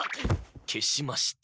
消しました。